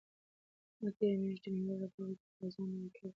ما تېره میاشت د مېوو له باغه ډېر تازه انار راټول کړل.